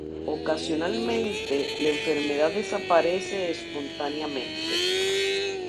Ocasionalmente, la enfermedad desaparece espontáneamente.